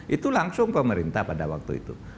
itu langsung pemerintah pada waktu itu